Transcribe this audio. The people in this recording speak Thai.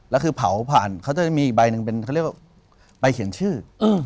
แล้วคือเผาผ่านเขาจะมีอีกใบหนึ่งเป็นเขาเรียกว่าใบเขียนชื่อ